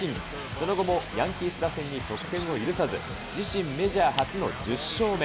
その後もヤンキース打線に得点を許さず、自身メジャー初の１０勝目。